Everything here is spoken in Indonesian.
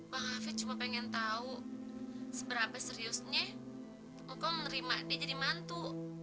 bang hafiz cuma pengen tahu seberapa seriusnya engkau menerima dia jadi mantu